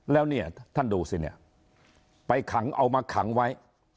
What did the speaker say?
แล้วเนี่ยท่านดูสิเนี่ยไปขังเอามาขังไว้